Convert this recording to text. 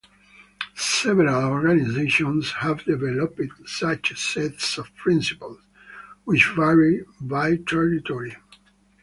Several organizations have developed such sets of principles, which vary by territory.